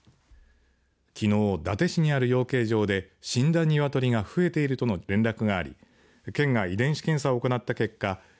きのう、伊達市にある養鶏場で死んだ鶏が増えているとの連絡があり県が遺伝子検査を行った結果